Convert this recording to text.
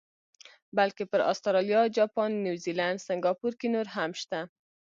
بلکې پر اسټرالیا، جاپان، نیوزیلینډ، سنګاپور کې نور هم شته.